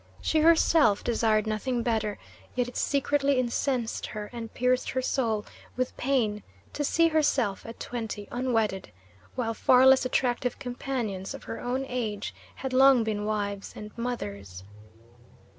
She herself desired nothing better; yet it secretly incensed her and pierced her soul with pain to see herself at twenty unwedded, while far less attractive companions of her own age had long been wives and mothers.